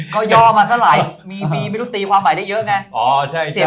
ก็ย่อมาสระไปมีบีนไม่รู้ตีความหมายได้เยอะไง